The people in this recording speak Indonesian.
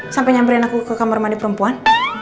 sampai nyamperin aku ke kamar mandi perempuan